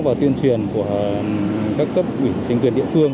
và tuyên truyền của các cấp ủy chính quyền địa phương